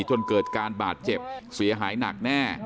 จนเกิดการบาดเจ็บเสียหายหนักแน่